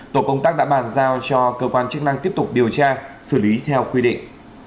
tổ công tác đã bàn giao cho cơ quan chức năng tiếp tục điều tra xử lý theo quy định